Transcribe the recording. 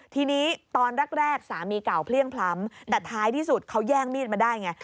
ทีนี้ตอนแรกสามีเก่าเพลี่ยงพล้ำแต่ท้ายที่สุดเขาแย่งมีดมาได้ไง